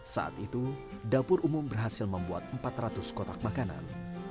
saat itu dapur umum berhasil membuat empat ratus kotak makanan